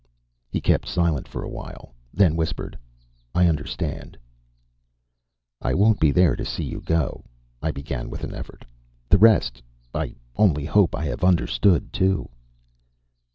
He kept silent for a while, then whispered, "I understand." "I won't be there to see you go," I began with an effort. "The rest ... I only hope I have understood, too."